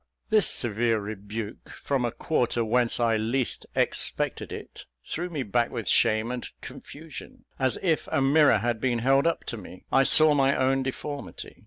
This severe rebuke, from a quarter, whence I least expected it, threw me back with shame and confusion. As if a mirror had been held up to me, I saw my own deformity.